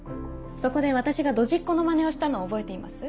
そこで私がドジっ子のマネをしたのを覚えています？